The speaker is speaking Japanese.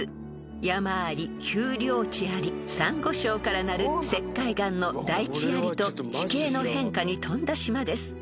［山あり丘陵地ありサンゴ礁からなる石灰岩の大地ありと地形の変化に富んだ島です］